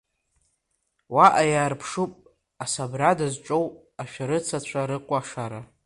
Уаҟа иаарԥшуп асабрада зҿоу ашәарыцацәа рыкәашара.